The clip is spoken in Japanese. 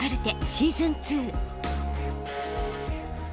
シーズン２。